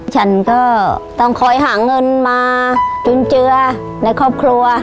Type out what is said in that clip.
ฉันก็ต้องคอยหาเงินมาจุนเจือในครอบครัว